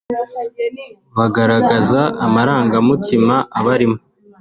bagaragaza amarangamutima abarimo